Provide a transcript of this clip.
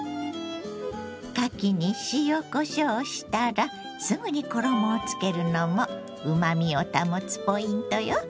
かきに塩こしょうしたらすぐに衣をつけるのもうまみを保つポイントよ。